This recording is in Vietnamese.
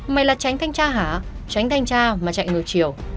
mà là tránh thanh tra hả tránh thanh tra mà chạy ngược chiều